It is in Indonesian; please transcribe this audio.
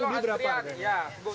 sebelumnya kemarin waktu itu